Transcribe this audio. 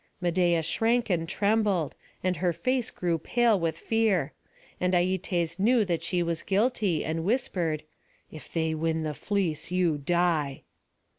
Medeia shrank and trembled, and her face grew pale with fear; and Aietes knew that she was guilty, and whispered, "If they win the fleece, you die!"